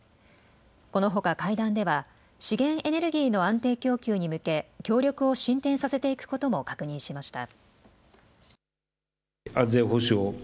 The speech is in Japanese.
このほか会談では資源エネルギーの安定供給に向け協力を進展させていくことも確認しました。